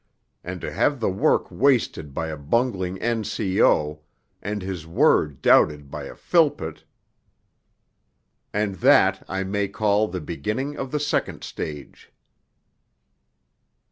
And to have the work wasted by a bungling N.C.O., and his word doubted by a Philpott.... And that I may call the beginning of the second stage.